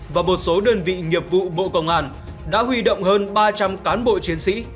và một số đơn vị nghiệp vụ bộ công an đã huy động hơn ba trăm linh cán bộ chiến sĩ